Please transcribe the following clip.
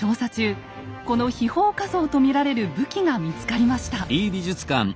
この飛砲火槍と見られる武器が見つかりました。